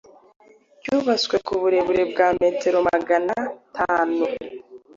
cyubatswe ku burebure bwa metero magana tanu